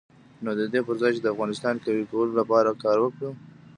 نو د دې پر ځای چې د افغانستان قوي کولو لپاره کار وکړو.